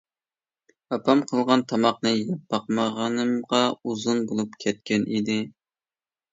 ئاپام قىلغان تاماقنى يەپ باقمىغىنىمغا ئۇزۇن بولۇپ كەتكەن ئىدى.